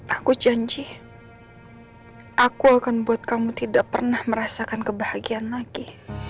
aku janji aku akan buat kamu tidak pernah merasakan kebahagiaan lagi